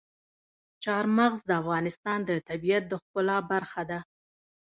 چار مغز د افغانستان د طبیعت د ښکلا برخه ده.